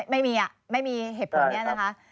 ไม่มีเหตุผลนี้นะคะ